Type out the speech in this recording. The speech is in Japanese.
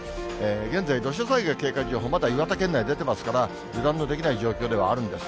現在、土砂災害警戒情報がまだ岩手県内に出てますから、油断のできない状況ではあるんです。